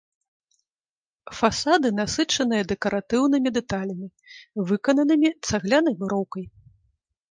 Фасады насычаныя дэкаратыўнымі дэталямі, выкананымі цаглянай муроўкай.